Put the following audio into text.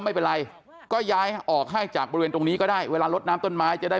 ไม่เป็นไรก็ย้ายออกให้จากบริเวณตรงนี้ก็ได้เวลาลดน้ำต้นไม้จะได้